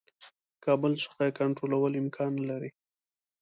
له کابل څخه یې کنټرولول امکان نه لري.